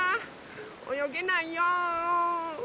およげないよ。